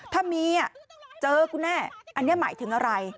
ถ้ามีเจอกูแน่อันนี้หมายถึงอะไร